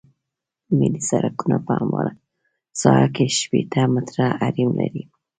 ملي سرکونه په همواره ساحه کې شپیته متره حریم لري